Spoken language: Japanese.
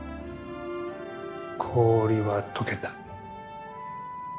氷は溶けた。